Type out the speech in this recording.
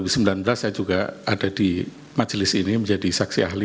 dua ribu sembilan belas saya juga ada di majelis ini menjadi saksi ahli